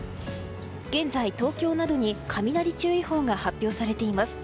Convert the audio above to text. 現在、東京などに雷注意報が発表されています。